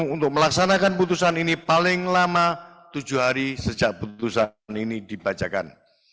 untuk melaksanakan putusan ini paling lama tujuh hari sejak putusan ini dibacakan